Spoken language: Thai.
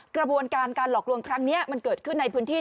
กระบวนการการหลอกลวงครั้งนี้มันเกิดขึ้นในพื้นที่